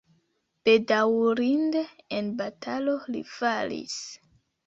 Bedaŭrinde en batalo li falis.